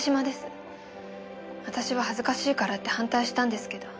私は恥ずかしいからって反対したんですけど。